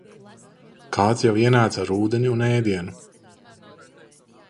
Kāds jau ienāca ar ūdeni un ēdienu.